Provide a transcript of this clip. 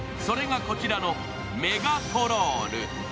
それがこちらのメガトロール。